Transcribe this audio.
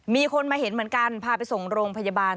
มีคนมาเห็นเหมือนกันพาไปส่งโรงพยาบาล